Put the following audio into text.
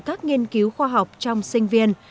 các nghiên cứu khoa học trong sinh viên